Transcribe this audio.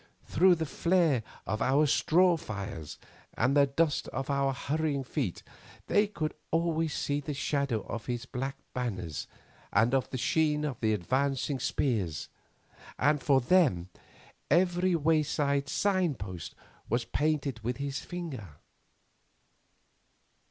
Through the flare of our straw fires and the dust of our hurrying feet, they could always see the shadow of his black banners and the sheen of his advancing spears, and for them every wayside sign post was painted with his finger.